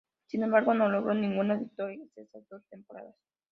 Sin embargo, no logró ninguna victorias esas dos temporadas.